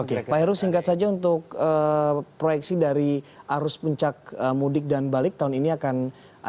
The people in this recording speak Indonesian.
oke pak heru singkat saja untuk proyeksi dari arus puncak mudik dan balik tahun ini akan ada